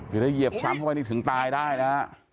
คือถ้าเหยียบซ้ำเข้าไปนี่ถึงตายได้นะฮะ